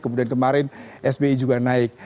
kemudian kemarin sbi juga naik